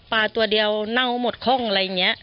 ตัวเดียวเน่าหมดคล่องอะไรอย่างนี้